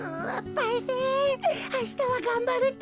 パイセンあしたはがんばるってか。